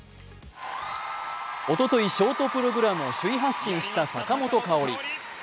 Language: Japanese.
おととい、ショートプログラムを首位発進した坂本花織。